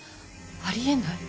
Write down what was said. ありえない。